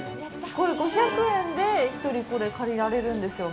これ、５００円で１人借りられるんですよ。